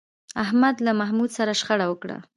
احمد له محمود سره شخړه وکړه